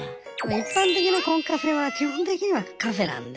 一般的なコンカフェは基本的にはカフェなんで。